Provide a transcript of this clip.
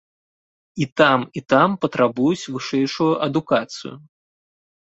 І там, і там патрабуюць вышэйшую адукацыю.